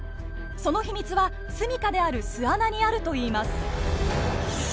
その秘密は住みかである巣穴にあるといいます。